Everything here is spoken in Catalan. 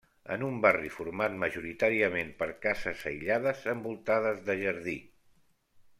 En un barri format majoritàriament per cases aïllades envoltades de jardí.